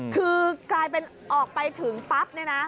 คือกลายเป็นออกไปถึงปั๊บเนี่ยนะ